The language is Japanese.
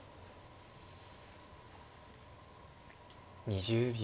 ２０秒。